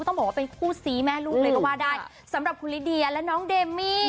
ต้องบอกว่าเป็นคู่ซีแม่ลูกเลยก็ว่าได้สำหรับคุณลิเดียและน้องเดมี่